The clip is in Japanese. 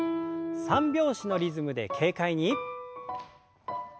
三拍子のリズムで軽快に。